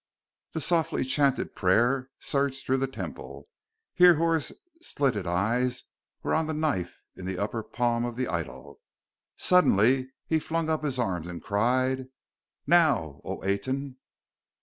The softly chanted prayer surged through the Temple. Hrihor's slitted eyes were on the knife in the upper palm of the idol. Suddenly he flung up his arms, and cried: "Now, O Aten!"